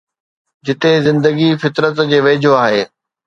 جتي زندگي فطرت جي ويجهو آهي.